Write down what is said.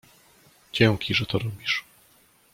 Dzięki, że to robisz.